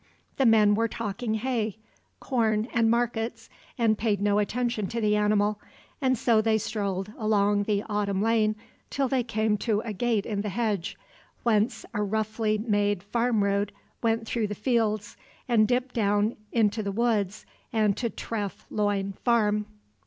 The men were talking hay, corn and markets and paid no attention to the animal, and so they strolled along the autumn lane till they came to a gate in the hedge, whence a roughly made farm road went through the fields, and dipped down into the woods and to Treff Loyne farm.